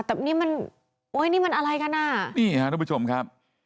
แต่นี่มันโอ้ยนี่มันอะไรกันอ่ะนี่ฮะทุกผู้ชมครับ